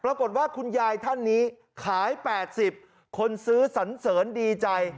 ปรากฏว่าคุณยายท่านนี้ขาย๘๐คนซื้อสันเสริญดีใจ